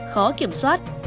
khó kiểm soát